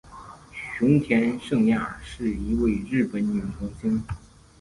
熊田圣亚是一位日本女童星。